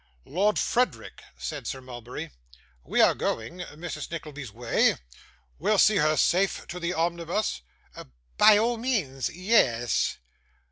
'Lord Frederick,' said Sir Mulberry, 'we are going Mrs. Nickleby's way. We'll see her safe to the omnibus?' 'By all means. Ye es.